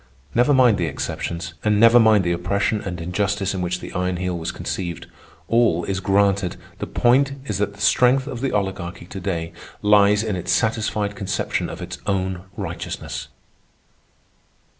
Never mind the exceptions, and never mind the oppression and injustice in which the Iron Heel was conceived. All is granted. The point is that the strength of the Oligarchy today lies in its satisfied conception of its own righteousness.